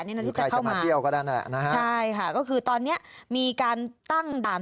ที่ใครจะมาเที่ยวก็นั่นแหละนะฮะใช่ค่ะก็คือตอนเนี้ยมีการตั้งด่าน